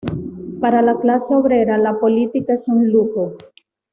Para la clase obrera, la política es un lujo.